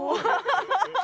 ハハハハ！